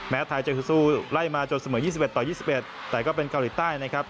แม้ไทยจะสู้สู้ไล่มาจนเสมอยี่สิบเอ็ดต่อยี่สิบเอ็ดแต่ก็เป็นเกาหลีใต้นะครับ